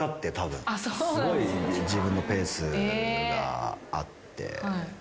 すごい自分のペースがあって。